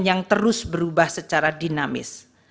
yang terus berubah secara dinamis